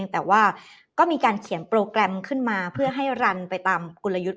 แต่ว่าก็มีการเขียนโปรแกรมขึ้นมาเพื่อให้รันไปตามกลยุทธ์